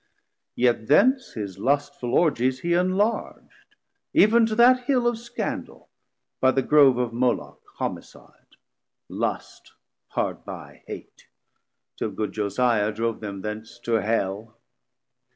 Yet thence his lustful Orgies he enlarg'd Even to that Hill of scandal, by the Grove Of Moloch homicide, lust hard by hate; Till good Josiah drove them thence to Hell.